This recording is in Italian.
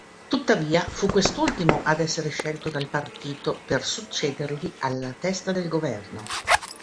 Tuttavia, fu quest'ultimo a essere scelto dal partito per succedergli alla testa del governo.